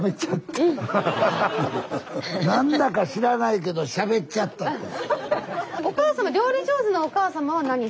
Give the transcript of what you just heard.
なんだか知らないけどしゃべっちゃったって。